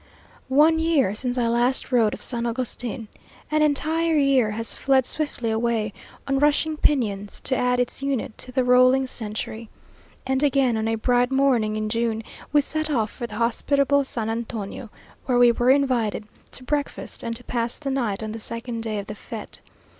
One year since I last wrote of San Agustin! An entire year has fled swiftly away on rushing pinions, to add its unit to the rolling century. And again, on a bright morning in June, we set off for the hospitable San Antonio, where we were invited to breakfast and to pass the night on the second day of the fête.